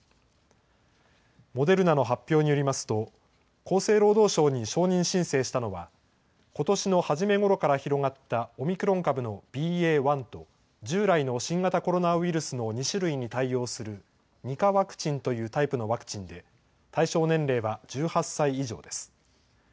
モデルナの発表によりますと厚生労働省に承認申請したのはことしの初めごろから広がったオミクロン株のＢＡ．１と従来の新型コロナウイルスの２種類に対応する２価ワクチンというタイプのワクチンで対象年齢は１８歳以上です。